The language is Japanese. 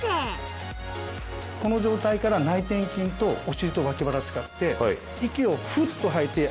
この状態から内転筋とお尻と脇腹使って。